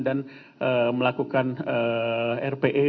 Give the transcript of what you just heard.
dan melakukan rpe